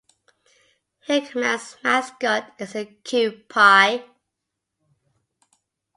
Hickman's mascot is the Kewpie.